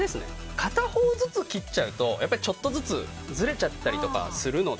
片方ずつ切っちゃうとちょっとずつずれちゃったりとかするので。